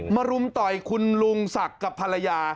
รุมต่อยคุณลุงศักดิ์กับภรรยา